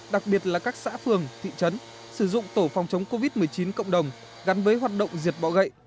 đặc biệt là các xã phường thị trấn sử dụng tổ phòng chống covid một mươi chín cộng đồng gắn với hoạt động diệt bọ gậy